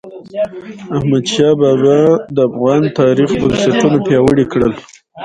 احمدشاه بااب د افغان تاریخ بنسټونه پیاوړي کړل.